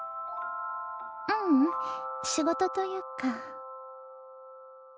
ううん仕事というか。